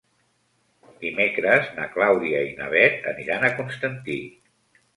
Dimecres na Clàudia i na Bet aniran a Constantí.